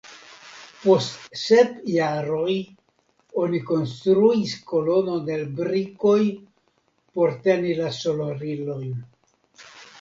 Post sep jaroj oni konstruis kolonon el brikoj por teni la sonorilojn.